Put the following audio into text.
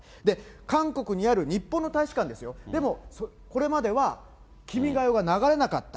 韓国にある日本の大使館ですよ、でも、これまでは君が代が流れなかった。